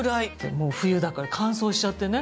もう冬だから乾燥しちゃってね。